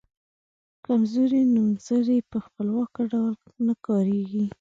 کمزوري نومځري په خپلواکه ډول نه کاریږي.